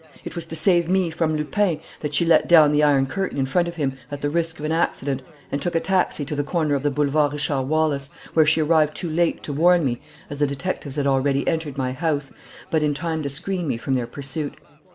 It was to save me from Lupin that she let down the iron curtain in front of him, at the risk of an accident, and took a taxi to the corner of the Boulevard Richard Wallace, where she arrived too late to warn me, as the detectives had already entered my house, but in time to screen me from their pursuit.